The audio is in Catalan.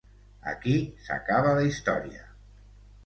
Aquí s’acaba la història.